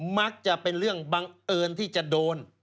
มักจะเป็นเรื่องบังเอิญที่จะโดน